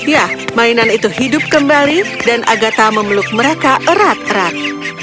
ya mainan itu hidup kembali dan agatha memeluk mereka erat erat